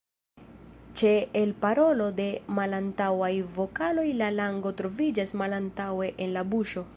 Ĉe elparolo de malantaŭaj vokaloj la lango troviĝas malantaŭe en la buŝo.